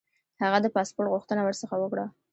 هغه د پاسپوټ غوښتنه ورڅخه وکړه.